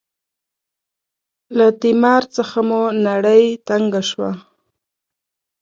له تیمار څخه مو نړۍ تنګه شوه.